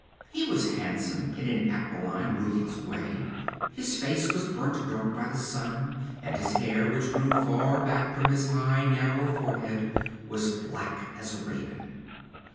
He was handsome in an aquiline, ruthless way. His face was burnt dark by the sun, and his hair, which grew far back from his high, narrow forehead, was black as a raven.